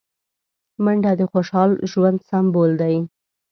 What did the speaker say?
منډه د خوشحال ژوند سمبول دی